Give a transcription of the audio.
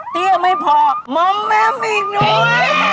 เตี้ยไม่พอมองแมมอีกนึง